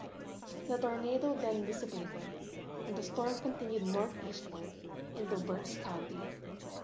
The tornado then dissipated, and the storm continued northeastward into Berks County.